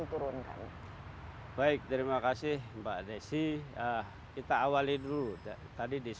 agreement dan sebagai wujud keseriusan untuk menghubungkan emisi karbon menjadi aspek bisnis dan sebagai wujud keseriunan yang akan diperoleh